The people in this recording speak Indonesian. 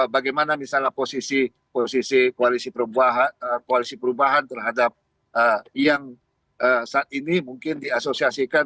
bagaimana misalnya posisi posisi perubahan terhadap yang saat ini mungkin diasosiasikan